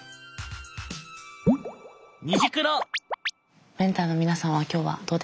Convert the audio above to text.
メンターの皆さんは今日はどうでしたか？